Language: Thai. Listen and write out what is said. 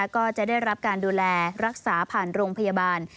ก็จะได้รับการดูแลรักษาผ่านโรงพยาบาล